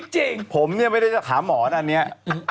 จริงผมนี่ไม่ได้ขามอท่านเนี่ย